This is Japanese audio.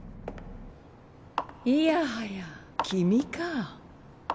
いやはや君か。